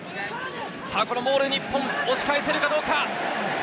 モール、日本、押し返せるかどうか。